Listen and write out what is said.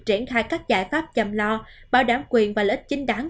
triển khai các giải pháp chăm lo bảo đảm quyền và lợi ích chính đáng